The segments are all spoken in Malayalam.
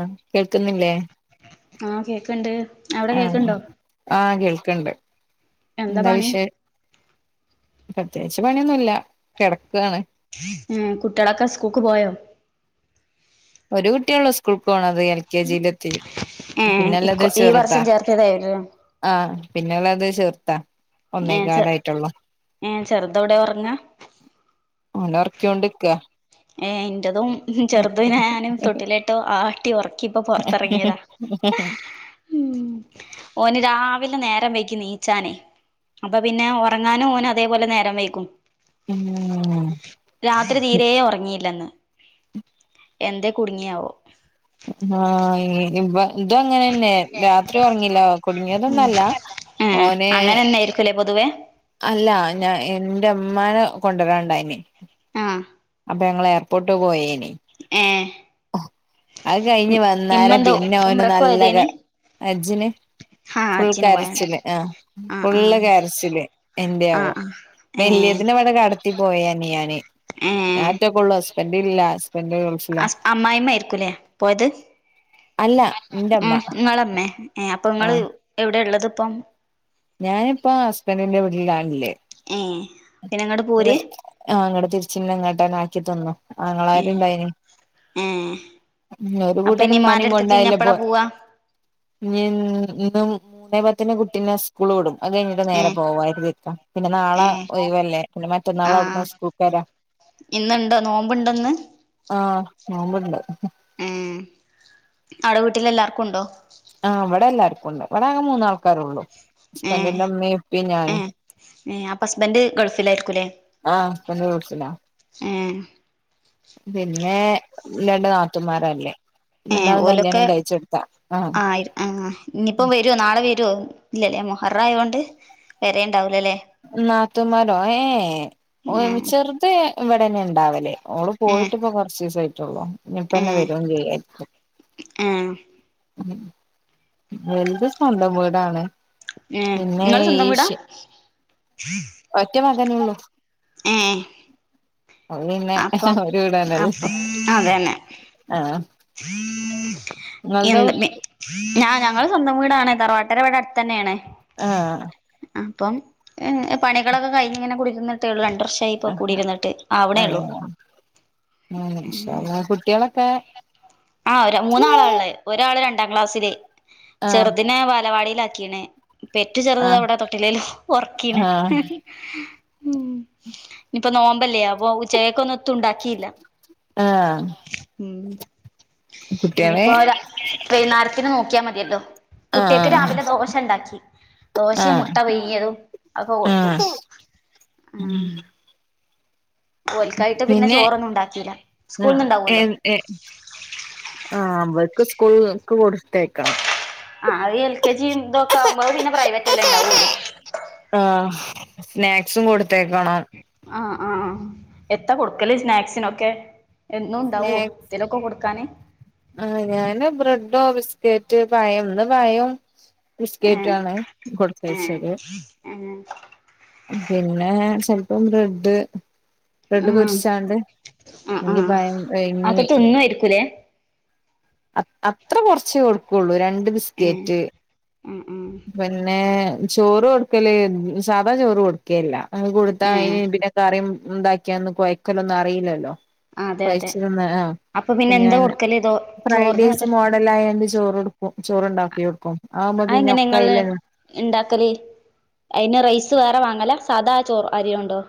ആഹ കേൾക്കുന്നില്ലേ ആഹ കേക്കണ്ട് അവിടെ കേക്കണ്ടോ ണ്ട് എന്താ വിശ പ്രത്യേകിച്ച് പണിയൊന്നുമല്ല കിടക്കുകയാണ് ഉം കുട്ടളോക്കെ സ്കൂക്ക് പോയോ ഒരു കുട്ടിയള്ളൂ സ്കൂൾക്ക് പോകണം അത് എൽ കെ ജിൽ എത്തി ഏഹ് പിന്നെല്ലാത് ഇക്കൊ ഈ വർഷം ചെറുതാ ചേർത്തിയതായിരുന്നു ആഹ പിന്നെയള്ളത് ചേർത്താ ഏർ ചെ ഏ ചെറുതവിടെ ഉറങ്ങാ ന ഉറക്കിയോണ്ടിക്ക ഏ എറതും ചെറുതു നാനും തൊട്ടിലായിട്ടോ ആ കുട്ടി ഉറക്കിപ്പ പുൊറത്തിറങ്ങിയതാ ഉ ഓന് രാവിലെ നേരം വൈക്ക്ി നീച്ചാനെ അപ്പൊ പിന്നെ ഒറങ്ങാനും ഓനും അതേപോലെ നേരം വൈക്കും ഉം രാത്രി തീരെ ഒറക്ക എന്ത കുടുങ്ങിയാവോ ആഹ് ഇവ ഇതും അങ്ങനെന്നെ രാത്രി ഉറങ്ങില്ല കുടുങ്ങിയതൊന്നല്ല ഓന് [inaudible] അങ്ങനന്നെയിരിക്കല പൊതുവേ അല്ല ഞാ എന്റെ മ്മാനെ കൊണ്ടുരാണ്ടായിനി ആഹ് അപ്പ ങ്ങളേർപോർട്ട് പോയേനി ഏഹ് അത് കഴിഞ്ഞ് വന്നാരെ ഇമ്മെന്തോ പിന്നൊന് ഉമ്രക്ക് നല്ല പോയതേനി കജ്ജ്ന് ഹാ ഫുൾ ഹജ്ജിന് പോയാണ് കാരച്ചില് ആ ആഹ് ഫുള് ആഹ് കാരച്ചില് എന്ത്യേ യാവോ ആഹ് ആഹ് വല്യ ഏഹ് തിനവിടെ കടത്തി പോയനി യാൻ ഏഹ് ഞാറ്റൊകൊള്ളൂ ഹസ്ബൻഡില്ല സ്ബന്റ് ഫില മായ്മയിരിക്കൂലേ പോയത് അല്ല ഉ ഇന്റമ്മ നിങ്ങളമ്മേ ഏ അപ്പൊ ങ്ങള് എവിടെ ള്ളത് ഇപ്പം ഞാനിപ്പ ആ ഹസ്ബൻറിന്റെ വീട്ടിലാണില്ലേ ഏഹ് പിന്നെ ഇങ്ങട്ട് പോര് ആ അങ്ങട്ട തിരിച്ച ഇങ്ങോട്ട് ആക്കി തന്നു ഏഹ് ആങ്ങളാരുണ്ടായിനി ഏഹ് ഉ ഒരു അപ്പൊ ഇനി ഇമ്മാന്റെ കൂട്ടനുമ്മനിം അടുത്ത്ക്ക് ഇനി കൊണ്ടായില പോ എപ്പളാ പോവാ ൻ ഒും മൂന്നേ പത്തിന് കുട്ടീനെ സ്കൂൾ വിടും അത് കഴിഞ്ഞിട്ട് നേരെ ഏഹ് പോകര് തിക്ക പിന്നെ നാളെ ഏഹ് ഒയവല്ലേ പിന്നെ മറ്റന്നാൾ ആഹ് അവിടന്ന് സ്കൂക്കരാ ഇന്നുണ്ടോ നോമ്പ്ണ്ടോന്ന് നോമ്പ്ണ്ട് ഏ അടെ വീട്ടിലെ ല്ലാർക്കും ഉണ്ടോ ആഹ് ഇവിടെ എല്ലാർക്കും ണ്ട് ഇവിടെ അങ്ങെ മൂന്നാൾക്കാാരള്ളു ഹസ്ബന്റിന്റെ ഇമമീം ഇപ്പീമ് ഞാനും അപ്പ ഹസ്ബന്റ് ഗൾഫിലായിരിക്കുംല്ലേ ആഹ് ഹസ്ബന്റ് ഗൾഫിലാ ആഏ പിന്നെ രണ്ട് നാത്തൂമാരല്ലേ രണ്ടാളും കല്യാണം കഴിച്ചെടുത്താ ആഹ് ആ ആ ഇനിയിപ്പം വരുവോ നാളെ വരുവോ ഇല്ലല്ലേ അമ്മോ റയോണ്ട് പെരേൽണ്ടാവൂല ലെ നാത്തുമമാരോ ഏ ഏ ആ ഒരു ചെറുത ഇവിടെന്നെ ഉണ്ടാവലേ ഓള് ഏ പോയിട്ട് ഇപ്പ കർച്ചസ് ആയിട്ടുള്ളൂ ഇനിയിപ്പ ഏ എന്നെ വര ചെയ്യരിക്കും ഏ ഉ വെലത് സ്വന്തം വീടാണ് ഏ പിന്നെ നിങ്ങള് സ്വന്തം വീടാ ശ ഒറ്റ മകനേ ഉള്ളു ആഹ പിന്നെ അപ്പം ഒരു വീടാണല്ലോ അപ്പൊ അതന്നെ ആഹ് എ ഇങ്ങൾതോ ഞാ ഞങ്ങൾ സ്വന്തം വീടാണ് തറവാട്ടര വടെ അഡ് തന്നേ ണ് ആഹ ഇപ്പം പണികളൊക്കെ കഴിഞ്ഞിങ്ങനെ കുടിക്കുന്നിട്ടേ ഉള്ളൂ രണ്ട വർഷമായി ഇപ്പ കൂടിരിന്നിട്ട് ആവണേയള്ളൂ ആ കുട്ട്യാളൊക്കെകുട്ട്യാളൊക്കെ ആഹ ഒ മൂന്നാള ള്ളെ ഒരാള് രണ്ടാം ക്ലാസ്സില് ആഹ് ചെറുതിനെ വാലവാടിയിലാ പെറ്റു ചെറുതത് ആഹ് അവിടെ തൊട്ടിലേല ഒർക്കീണ് ആഹ് ഉം ഇനിപ്പോ നോമ്പല്ലയാ അ ചേക്കൊന്നും തും ണ്ടാക്കില്ലാ ആഹ് കുട്ടികളെ ഇനിയിപ്പോ വൈന്നാരത്തിന് നോക്കിയാ മതിയല്ലോ കുട്ട്യാക്ക് ആഹ് രാവിലെ ദോശ ണ്ടാക്കി ദോശയും മുട്ട ആഹ് പെയങ്ങതും ഒക്കെ കൊടുത്തു ഉം ഓൽക്കായിട്ട് പിന്നെ ചോറൊന്നും ഉണ്ടാക്കിയില്ല ആ സ്കൂളിന്ന് ഏ ഉണ്ടാവുമല്ലോ ഏ ആ അവർക്ക് സ്കൂൾക്ക് കൊടുത്തേക്കണം ആഹ അത് എൽ കെ ജി തൊക്കെ ആകുമ്പോ അഹ് പിന്നെ പ്രൈവറ്റ് എല്ലാം ഇണ്ടാവള്ളോ സ്‌നേക്കസും കൊടുത്തേക്കണം ആ ആ എത്ത കൊടുക്കല്ലേ സ്നാക്സിനൊക്കെ എന്നും ഉണ്ടാവോ ഇതിനോക്കെ കൊടു ക്കാന് ആ ഞാന ബ്രെഡോ ബിസ്കറ്റ് പായം ഇന്ന് പായം ഏ ബിസ്‌ക്കറ്റണ് ഏഹ് കൊടുത്തച്ചത് ഏഹ് പിന്നെ ചിലപ്പോൾ ബ്രെഡ് ബ്രെഡ് ആഹ് പൊരിച്ചാണ്ട് ആഹ് എങ്കി ആഹ് പയം പൂയി ങ്ങി അതൊക്കെ തിന്നുവായിരിക്കൂലേ അ അത്ര കുറച്ചേ കൊടുക്കുള്ളൂ രണ്ട് ഏഹ് ബിസ്കറ്റ് ഉം ഉം പിന്നെ ചോറ് കൊടുക്കല് സാധാ ചോറ് കൊടുകേല്ല അത് കൊടുത്താ ഏഹ് അതിന് പിന്നെ കറിയും ഉണ്ടാക്കിയാന്ന് കൊയ്ക്കല ഒന്നും അറിയില്ലല്ലോ അതെ അതെ പൈച്ചിരുന്ന ആഹ അപ്പൊ അ പിന്നെ എന്താ ഞാൻ കൊടുക്കല് ദോ ഫ്രൈഡേസ് ചോറിനൊക്കെ മോഡലയണ്ട് ചോറുടുക്കും ചോറണ്ടാക്കി കൊടുക്കും ആവുമ്പ പിന്നെ അയിലന്നെ ഉണ്ടാകല്ല് അയിന് റൈസ് വേറെ വാങ്ങല്ല സാധാ ചോർ അരി ഉണ്ടോ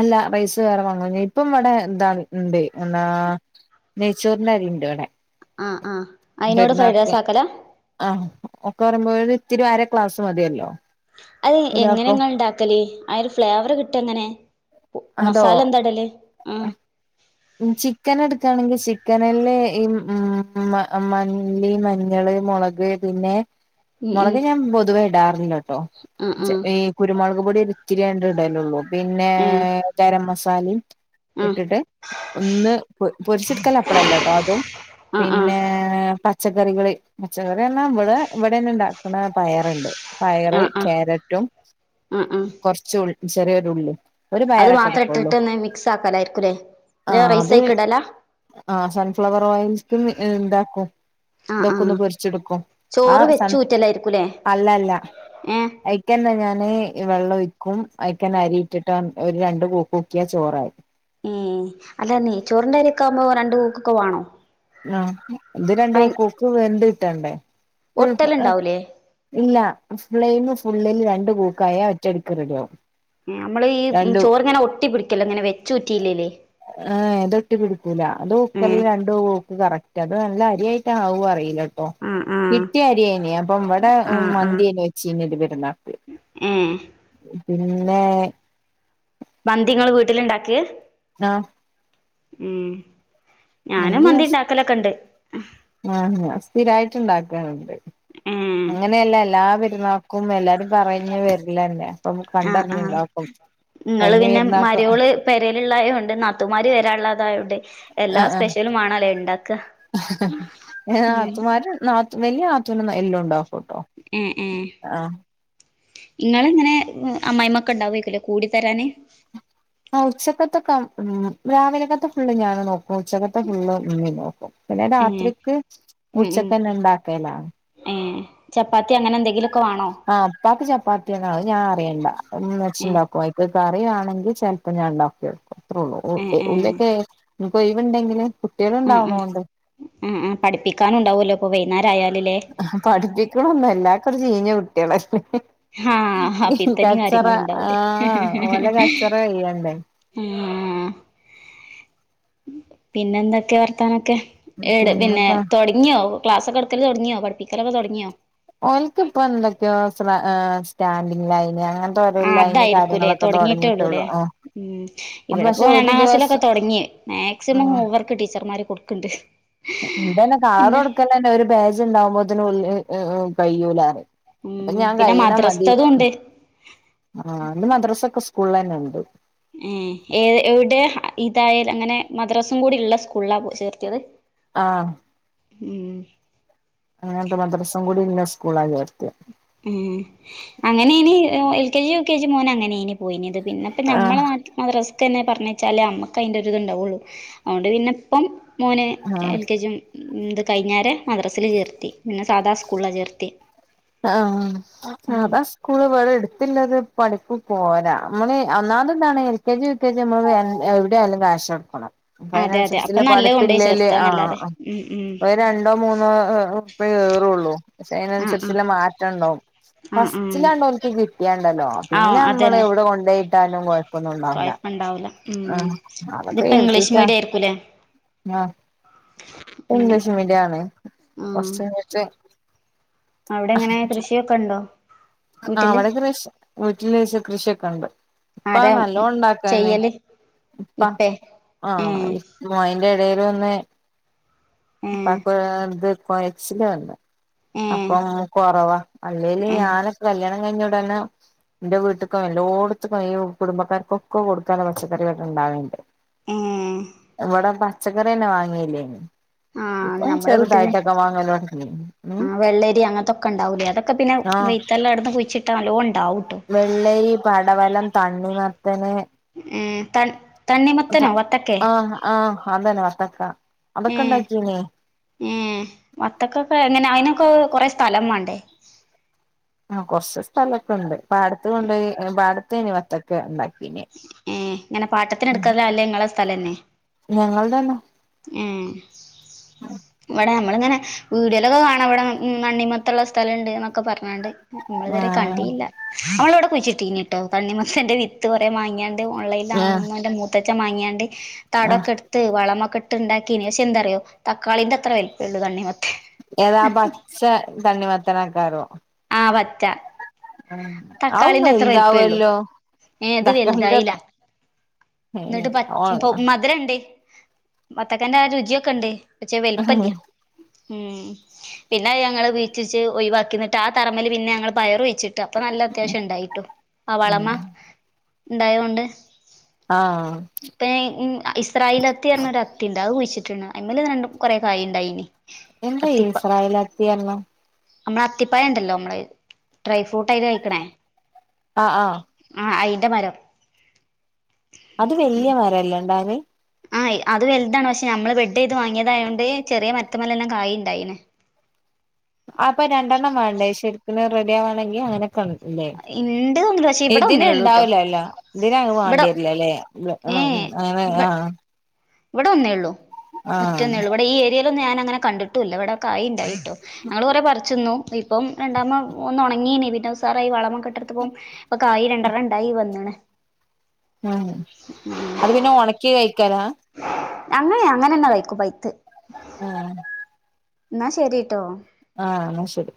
അല്ല റൈസ് വേറെ വാങ്ങ ഇപ്പം ഇവിടെ എന്താണ് ഉണ്ട് എന്താ നെയ്‌ച്ചോറിന്റെ അരിയുണ്ട് അവിടെ ആഹ ആഹ് അതിനോട് ഫ്രൈഡ് റൈസ് ആക്കലാ ആ ഒക്കെ പറയുമ്പോഴ ഇത്തിരി ആരാ ക്ലാസ് മതിയല്ലോ അതെ ഒരാക്കും എങ്ങനെങ്ങാ ഉണ്ടാക്കലേ അ ഒരു ഫ്ലേവർ കിട്ടും എങ്ങനെ അതോ മസാല എന്താ ഇടല് ആഹ ചിക്കൻ എടുക്കയാണെങ്കിൽ ചിക്കനില്ലെ ഈ മ മല്ലി മഞ്ഞള് മുളക് പിന്നെ ഉം മുളക് ഞാൻ പൊതുവേ ഇടാറില്ലോട്ടോ ഉം ആഹ് ഈ കുരുമുളക് പൊടി ഒത്തിരി രണ്ട ഇടലള്ളൂ പിന്നെ ആഹ് ഏഹ് ഗരം മസാലയും ആഹ് ഇട്ടിട്ട് ഒന്ന് പൊരിച്ചിടുക്കൽ അപ്പളല്ല കേട്ടോ അതും ആഹ് ആഹ് പിന്നെ ആഹ് പച്ചക്കറികള് പച്ചക്കറി എല്ലാം ഇവിടെ ഇവിടെ തന്നെ ഉണ്ടാക്കണ പയറുണ്ട് പയറ് ആഹ് ക്യാരറ്റും ആഹ് ആഹ് കുറച്ചു ഉ ചെറിയൊരു ഉള്ളി ഒരു അത് പയറൊക്കെ മാത്ര എടുക്കുള്ളൂ ഇട്ടിട്ട് മിക്സ് ആക്കലായിരിക്കൂല്ലേ പിന്ന റൈസ് ആയിക്ക ഇടലാ ആഹ സൺഫ്ലവർ ഓയിൽക്കും ഉണ്ടാക്കും ആഹ് ഇതൊക്കന്ന് ആഹ് പൊരിച്ചെടുക്കും ആ ചോറ് സൺ വെച്ചൂറ്റലായിരിക്കുംല്ലേ അല്ല അല്ല ഏഹ് അയിക്കന്ന ഞ ങ്ങനെ വെള്ളം ഒഴിക്കും അക്കൻ അരിയിട്ടിട്ട് ഒരു രണ്ട കുക്കിയാ ചോറായി ഉ അല്ല നെയ് ചോറിൻന്റെ അറിയോക്കെ ആവുമ്പോ രണ്ടു പൂക്കൊക്കെ വേണോ ആ ഇത് രണ്ട കൊക്ക് വെണ്ട കിട്ടണ്ടേ ഒട്ടലുണ്ടാവൂലേ ഇല്ല ഫ്രെയിം ഫുള്ളിൽ രണ്ടു പൂക്കായ ഒറ്റടിക്ക് റെഡിയാവും നമ്മള് ഈ രണ്ടു ചോറിങ്ങനെ ഒട്ടി പിടിക്കല്ലോ ഇങ്ങനെ വെച്ചുറ്റിയില്ലല്ലേ ഏ തൊട്ടി പിടിപ്പൂല ഇത് ഏഹ് കുക്കറിലെ രണ്ട് കൂക്ക് കറക്റ്റ് അത് നല്ല അരിയായിട്ടാണ് ആവൂ അറിയില്ലട്ടോ ആഹ് ആഹ് കിട്ടിയ അരിയനി അപ്പൊ ഇവിടെ ആഹ് മന്തിനെ വെച്ച ഇനി ഇത് പെരുന്നാക്ക് ഉം പിന്നെ മന്തി നിങ്ങൾ വീട്ടിലുണ്ടാക്ക് ആ ഉം ഞാനും നല്ല മന്തി ഇണ്ടാക്കലൊക്കെണ്ട് ആ സ്ഥിരായിട്ട് ഉണ്ടാക്കാറുണ്ട് ഉം അങ്ങനെയല്ല എല്ലാ പെരുന്നാക്കും എല്ലാരും പറഞ്ഞു വരില്ലന്നെ അപ്പൊ കണ്ടറിഞ്ഞുണ്ടക്കും നിങ്ങള് പിന്നെ മരയോള് പരലുള്ളായ ഉണ്ട് നാത്തുമാര് വരാനുള്ളതായണ്ട് ആഹ് എല്ലാ ആഹ് സ്പെഷ്യലും ആണല്ലേ ഉണ്ടാക്ക നെല്ലിയ ആറ്റന എല്ലാം ഉണ്ടോ ഉം ഉ നിങ്ങ ഇങ്ങനെ അമ്മായി്മക്ക ഉണ്ടാവേക്കല്ലേ കൂടി തരാന് ആ ഉച്ചക്കത്തൊക്കെ ഉ രാവിലക്കത്ത ഫുള് ഞാണ് നോക്ക ഉച്ചക്കത്തെ ഫുള്ള് ഉമ്മി നോക്കും പിന്നെ ഏ രാത്രിക്ക് ഉം ഉം ഉച്ചക്കന്നെ ഉണ്ടാക്കലാ ഏ ചപ്പാത്തി അങ്ങനെ എന്തെങ്കിലുമൊക്കെ വേണോ ആഹ പത്തിച്ചാ പാട്ടിയ ഞാ ണ്ട എന്ന് ഏ വെച്ചിുണ്ടാക്കും ഇപ്പ കറി ആണെങ്കിൽ ചെിലപ്പോ ഞാൻ ഉണ്ടാക്കി വക്കും അത്രേള്ളൂ ഏ ഏ ഉള്ളൊക്കെക്ക് ഒൈവുണ്ടെങ്കിൽ ആ ഉ ആ ആ പഠിപ്പിക്കാനുണ്ടാവല്ലോ ഇപ്പൊ വൈകുന്നേരം ആായാലും ആ പഠിപ്പിക്കണന്നോ എല്ലാക്കറും ചീഞ്ഞ കുട്ടികളെെ ആഹ് അപ്പൊ ഇത്തന്നെയും കച്ചറ കാര്യങ്ങളും ഉണ്ടാവൂലേ ആഹ ലെ കച്ചറ കെയ്യണ്ടേ ആ പിന്നെ എന്തൊക്കെ വർത്താനൊക്കെ ട് പിന്നെ പിന്നെപ്പ തുടങ്ങിയോ ക്ലാസ്ൊക്കെ എടുക്കല് തുടങ്ങിയോ പഠിപ്പിക്കലൊക്കെ തുടങ്ങിയോ ഓക്ക് ഇപ്പൊ എന്തൊക്കെയോ സ്റ്റാൻഡിങ് ലൈന ആ അങ്ങനെത്തെോരയില്ല അതിന് അതായിരിക്കൂല്ലേ കാര്യങ്ങളൊക്കെ തുടങ്ങിയിട്ടേ ഉള്ളൂല്ലേ തുടങ്ങിയിട്ടുള്ളു ഉം ഇവിടെ പോ രണ്ടാം ക്ലാസിലൊക്കെ തുടങ്ങിയ മാക്സിമം വർക്ക് ടീച്ചർമാർ കൊടുക്കണ്ട് ഇന്തന്നെ കാർ പിന്നെ കൊടുക്കലന്നെ ഒരു പേജ് ഉണ്ടാവുമ്പോത്തിന് ഉ കഴിയൂലാ അപ്പൊ ഉം ഞാൻ പിന്നെ കഴന മതി മദ്രസ്ത്തതും ഉണ്ട് ആ അ മദ്രാസൊക്കെ പുള്ളനുണ്ട് ഏ ഏ എവിടെ ഇതായാലൽ അങ്ങനെ മദ്രാസും കൂടി ഉള്ള സ്കൂളാ പോ ചേർത്തിയത് ആഹ ഉം അങ്ങനന്ത മദ്രാസൻ കൂടി ഇല്ല സ്കൂൾ ആഗ ഇർത്തി ഉം അങ്ങനെ ഇനി L K G U K G മോന അങ്ങനെ ഇനി പോയിന്ത് പിന്നെപ്പ നമ്മെ ആഹ് നാട്ടിൽ മാത്രം െ പറഞ്ഞ വച്ചാലേ അമ്മക്ക് അതിന്റെ ഒരുരി ഇത്ണ്ടാവുള്ളു അതുകൊണ്ട് പിന്നെ ഇപ്പം മോന ആഹ് എൽ കെ ജും ഇത് കഴിഞ്ഞേര മദ്രാസൽ ചേർത്തി പിന്നെ സാദാ സ്കൂളാണ് ചേർത്തി ആഹ ഉം സതാ സ്കൂള് വേറെ എടുത്തില്ലത് പഠിപ്പു പോരാ നമ്മള് ഒന്നാമ ഇതാണ് L K G V K G നമ്മള് എവിടെ ആയാലും കാക്യാഷ് എടുക്കണം അന അതെ അതെ അപ്പൊ അനുസരിച്ച നല്ല കൊണ്ടോയി പഠിപ്പില്ലല്ലേ ചേർത്താന്നല്ലാതെ ആഹ ഉം ഉം ഒരു രണ്ടോ മൂന്നോ ഇ കയറള്ളൂ പക്ഷെ ആഹ് അതിനനുസരിച്ച് ആഹ് മാറ്റ ഉണ്ടാവും ആഹ് ആഹ് ഫസ്റ്റിലാണ്ടോക്ക് കിട്ടിയണ്ടല്ലോ ആഹ് പിന്നെ നമ്മള് അതന്നെ എവിടെ കൊണ്ട കിട്ടാനും കൊഴപ്പൊന്നുംന്നാവില്ല കൊഴപ്പണ്ടാവൂല ആ ഉം അതൊക്കെ ഇതിപ്പോ ഇംഗ്ലീഷ് കേർത്തിീട്ടാ മീഡിയം ആയിരിക്കൂല്ലേ ആഹ ഉം ഇംഗ്ലീഷ് മീഡിയ ആണ് ആഹ് കൊട്ട് അവിടെ എങ്ങനെ കൃഷിയൊക്കെ ഉണ്ടോ ആ വീട്ടില് വവിടെ കൃഷി വീട്ടില കൃഷിയൊക്കെ ഉണ്ട് ഇപ്പ ആരാ നല്ലോ ഉണ്ടാക്കനെ ചെയ്യല് ഇപ്പ ഇപ്പേ ആഹ ഏഹ് അ ഇടയില ഒന്ന് ഏഹ് പാക്കന്ത കുക്ശ വല്ല ഏഹ് അപ്പൊ കൊറവാ അല്ലേല് ഏഹ് ഞാനക്ക കല്യാണം കഴിഞ്ഞ ഇടന്നെ എന്റെ വീട്ടക്കും എല്ലോടത്തക്കും കുടുംബക്കാർക്കൊക്കെ കൊടുക്കാന പച്ചക്കറികൊക്കെ ഉണ്ടാവണ്ട് ഏഹ് ഇവിടെ പച്ചക്കറിന്നെ വാങ്ങിയല്ലേന് ഇപ്പം ചെറുതായിട്ടൊക്കെ വങ്ങാനോട ആ് വെള്ളരി അങ്ങനത്തൊക്കെ ഉണ്ടാവൂലേ അതൊക്കെ പിന്നെ ആഹ് വെയ്ത്തല്ലാം അടുന്ന് കുഴിച്ചിട്ടാല്ലോ വെള്ളരി പടവലം തണ്ണി മത്തനെ ഉ തൻ ആഹ് ആഹ് അതാണ്െ വത്തക്ക [inaudible] ഉ ഉണ്ടാക്കീനി ഏ വത്തക്കൊക്കെ എങ്ങനെ അയിനൊക്കെ കൊറേ സ്ഥലം വാണ്ടേ ആ കൊറച്ച് സ്ഥലൊക്കെ ഇണ്ട് പാടത്ത് കൊണ്ടോയി പാടത്തേനി വത്തക്ക ഇണ്ടാക് മ്മ് ഇങ്ങനെ പാട്ടത്തിനെട്ത്തതാ അല്ലേ ഇങ്ങളെ സ്ഥലെന്നെ ഞങ്ങൾതന്നെ മ്മ് വടെ നമ്മളിങ്ങനെ വീടിയോലൊക്കെ കാണാ ഇവിടെ നണ്ണിമത്തൻ ഇള്ള സ്ഥലംണ്ട് എന്നൊക്കെ പറഞ്ഞാണ്ട് ആ അമ്മള്തരെ കണ്ടീല്ല അമ്മള് ഇവടെ കുഴിച്ചിട്ടീനിട്ടോ തണ്ണിമത്തന്റെ വിത്ത് കൊറേ മാങ്ങിയാ ആ ഓൺലൈൻലാണ് തോന്ന്ണു ഇൻ്റെ മൂത്തച്ചൻ മാങ്ങിയാണ്ട് ആ തടൊകെട്ത്ത് വളമൊകെട്ട് ട്ട് ണ്ടാക്കീനി പക്ഷെ എന്താറിയോ തക്കാളിൻ്റത്ര വെൽപ്പേള്ളു തണ്ണി മത് ഏതാ പച്ച തണ്ണി മത്തനാകാരം അ പച്ച അതും തക്കാളിന്റത്ര വെൽപ്പേള്ളൂ വലുതാവല്ലോ ഏ ഇത് തക്കാളിന്റെ വെൽതായീല അത്ര ഇന്നിട്ട് പച് ഓ ഇപ്പൊ മധുരണ്ട് വത്തക്കന്റെ ആ രുചിയൊക്കെ ഇണ്ട് പക്ഷേ വെൽപ്പല്ല മ്മ് പിന്നെ ഞങ്ങള് [unintelligible] ഒഴിവാക്കി ന്നട്ട് ആ തറമ്മല് പിന്നെ ഞങ്ങള് പയറുയിച്ചിട്ടാ അപ്പം നല്ല അത്യാവശ്യം ഇണ്ടായിട്ടോ ആ വളമ ഇണ്ടായോണ്ട് ആ ഇപ്പ ഏ ഇസ്രായേലത്തി പറഞ്ഞ ഒരു അത്തിണ്ട് അത് കുഴിച്ചിട്ട് ട്ട്ണ് അയിമല് നല്ലോം കൊറേ കായിണ്ടായീനി എന്താ ഇസ്രായേലത്തിയർഞാ അമ്മള അത്തിപ്പയണ്ടല്ലോ അമ്മള് ഡ്രൈ ഫ്രൂട്ടായി കഴിക്ക്ണേ ആ ആ അയിൻ്റെ മരം അത് വെല്ല്യ മരല്ലേണ്ടാവല് ആ അത് വെൽതാണ് പക്ഷെ ഞമ്മള് ബെഡെയ്ത് വാങ്ങിയതായോണ്ട് ചെറിയേ മര് ത്ത്മലെല്ലാം കായിണ്ടായീണ് അപ്പം രണ്ടെണ്ണം വേണ്ടേ ശരിക്ക്ന് റെഡിയാവാണെങ്കിൽ അങ്ങനൊക്കെ ണ്ട് ഇണ്ട് തോന്നുന്നു പക്ഷെ ഇവിടെ ഇതിന് ഒന്നേ ഉള്ളൂ ട്ടോ ഇണ്ടാവൂലല്ലോ ഇതിനങ്ങ് ഇവിടെ വാണ്ടിരിലല്ലേ ഏ അ ആ ആ ഇവിടെ ഒന്നേ ഉള്ളൂ മറ്റൊന്നേ ആഹ് ഉള്ളൂ ഇവിടൊന്നെള്ളു ഒറ്റൊന്നേള്ളു വടെ ഈ ഏരിയേലൊന്നു ഞാനങ്ങനെ കണ്ടിട്ടൂല്ല ഇവിടെ കായി ഇണ്ടായി ട്ടോ ഞങ്ങള് കൊറെ പറിച്ച്ന്നു ഇപ്പം രണ്ടാമ ഒന്ന് ഒണങ്ങീനി പിന്നെ ഉസാറായി വളമെയൊകെട്ടൊടാത്തപ്പം ഇപ്പൊ കായി രണ്ടർണം ഇണ്ടായി വന്ന്ണ് ആ അത് പിന്നെ ഒണക്കി കഴിക്കാലാ അങ്ങനെ അങ്ങനെന്നാ കയ്ക്കും പൈത്തത് ആ ന്നാ ശരിട്ടോ ആ എന്നാ ശരി